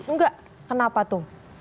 nggak kenapa tuh